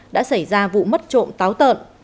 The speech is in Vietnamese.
đã xảy ra vụ mất trộm táo tợn